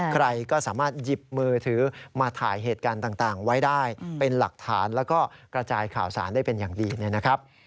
ใครก็สามารถหยิบมือถือมาถ่ายเหตุการณ์ต่างไว้ได้เป็นหลักฐานแล้วก็กระจายข่าวสารได้เป็นอย่างดีนะครับ